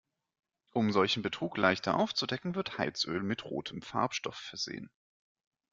Um solchen Betrug leichter aufzudecken, wird Heizöl mit rotem Farbstoff versehen.